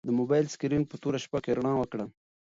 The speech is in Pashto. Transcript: د موبایل سکرین په توره شپه کې رڼا وکړه.